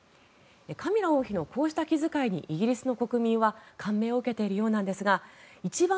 カミラ王妃のこうした気遣いにイギリスの国民は感銘を受けているようなんですが一番